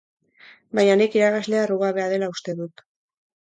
Baina nik irakaslea errugabea dela uste dut.